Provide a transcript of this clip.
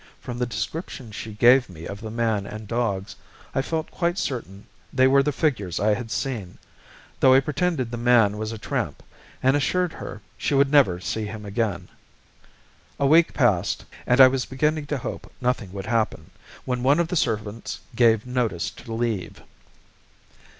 From the description she gave me of the man and dogs, I felt quite certain they were the figures I had seen; though I pretended the man was a tramp, and assured her she would never see him again. A week passed, and I was beginning to hope nothing would happen, when one of the servants gave notice to leave.